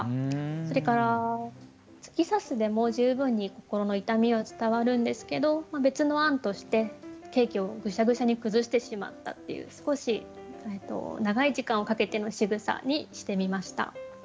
それから「突き刺す」でも十分に心の痛みは伝わるんですけど別の案としてケーキをぐしゃぐしゃに崩してしまったっていう少し長い時間をかけてのしぐさにしてみました。